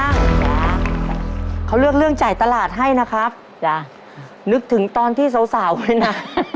แม่เพียงเขาเลือกเรื่องจ่ายตลาดให้นะครับนึกถึงตอนที่สาวไว้นะ